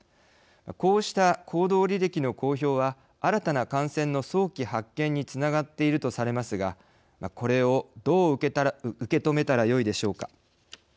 こうした行動履歴の公表は新たな感染の早期発見につながっているとされますがこれを、どう受け止めたらよいでしょうか。